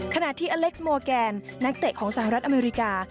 ขณะที่อเล็กซ์โมแกนนักเตะของสหรัฐอเมริกา